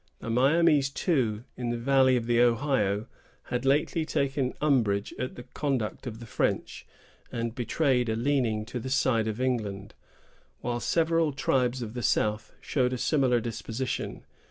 The Miamis, too, in the valley of the Ohio, had lately taken umbrage at the conduct of the French, and betrayed a leaning to the side of England, while several tribes of the south showed a similar disposition.